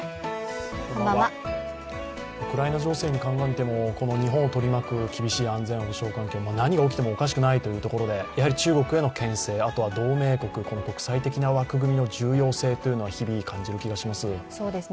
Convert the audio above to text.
ウクライナ情勢にかんがみても、日本を取り巻く厳しい安全保障環境、何が起きてもおかしくないということで中国へのけん制あとは同盟国、国際的な枠組みの重要性は日々、感じる気がします。